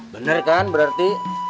bener kan berarti